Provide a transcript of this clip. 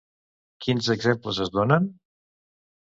Quins exemples es donen?